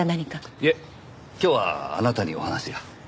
いえ今日はあなたにお話が。